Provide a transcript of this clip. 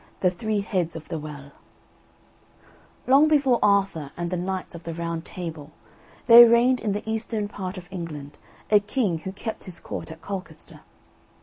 THE THREE HEADS OF THE WELL Long before Arthur and the Knights of the Round Table, there reigned in the eastern part of England a king who kept his Court at Colchester.